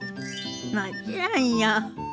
もちろんよ。